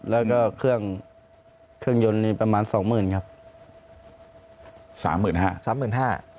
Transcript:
แล้วก็เครื่องเครื่องยนต์นี่ประมาณสองหมื่นครับสามหมื่นห้าสามหมื่นห้า